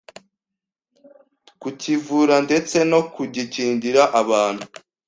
kukivura ndetse no kugikingira abantu.